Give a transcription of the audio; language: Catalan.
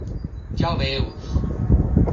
Ja ho veus.